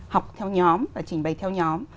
học theo nhóm và trình bày theo nhóm